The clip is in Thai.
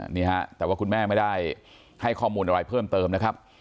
นี่ฮะแต่ว่าคุณแม่ไม่ได้ให้ข้อมูลอะไรเพิ่มเติมนะครับ